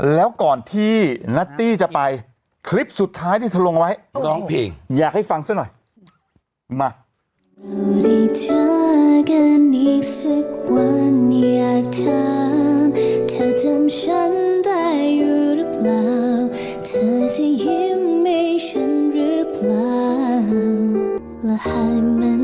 แล้วก่อนที่นัตตี้จะไปคลิปสุดท้ายที่เธอลงไว้ร้องเพลงอยากให้ฟังซะหน่อย